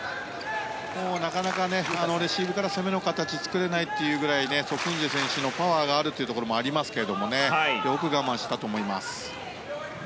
なかなか、レシーブから攻めの形作れないっていうぐらいソ・スンジェ選手のパワーがあるというところもありますけどよく我慢したと思います。